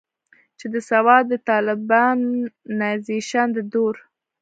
چې د سوات د طالبانائزيشن د دور